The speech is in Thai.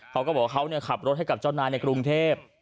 เขาก็บอกว่าเขาขับรถให้กับเจ้านายในกรุงเทพ